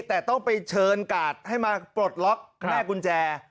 แต่ต้องไปเชิญกาดให้มาปลดล็อกแม่กุญแจ